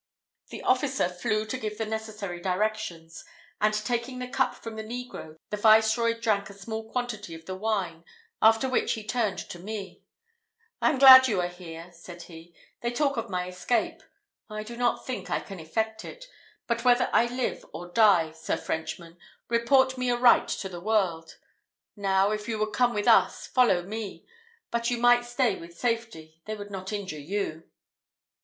The officer flew to give the necessary directions, and taking the cup from the negro, the viceroy drank a small quantity of the wine, after which he turned to me: "I am glad you are here," said he: "they talk of my escape I do not think I can effect it; but whether I live or die, Sir Frenchman, report me aright to the world. Now, if you would come with us, follow me but you might stay with safety they would not injure you."